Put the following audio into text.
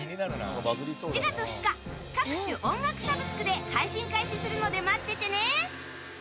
７月２日、各種音楽サブスクで配信開始するので待っててね。